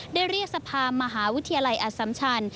ได้เรียกสภามหาวิทยาลัยอสัมชัน